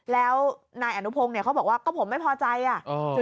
แล้วนายอนุพงศ์เนี่ยเขาบอกว่าก็ผมไม่พอใจอ่ะ